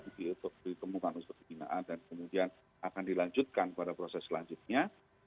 jadi itu ditemukan unsur keginaan dan kemudian akan dilanjutkan pada proses selanjutnya